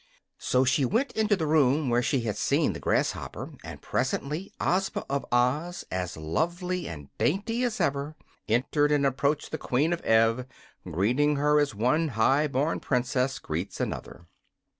So she went into the room where she had seen the grasshopper, and presently Ozma of Oz, as lovely and dainty as ever, entered and approached the Queen of Ev, greeting her as one high born princess greets another.